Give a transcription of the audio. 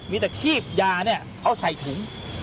มีแต่คีบยาเนี่ยเอาใส่ถุง